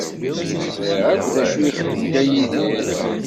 Ẓriɣ akk d acu i ixeddem Dda Yidir.